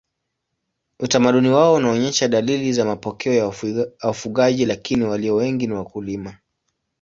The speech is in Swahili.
Utamaduni wao unaonyesha dalili za mapokeo ya wafugaji lakini walio wengi ni wakulima.